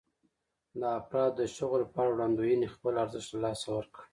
د افرادو د شغل په اړه وړاندوېنې خپل ارزښت له لاسه ورکړ.